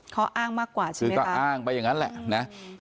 ข้ออ้างมากกว่าใช่ไหมคือก็อ้างไปอย่างนั้นแหละนะ